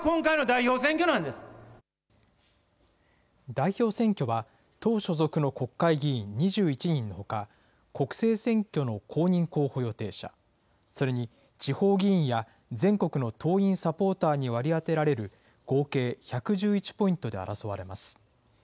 代表選挙は、党所属の国会議員２１人のほか、国政選挙の公認候補予定者、それに地方議員や全国の党員・サポーターに割り当てられる合計１１１ポイントで争われます。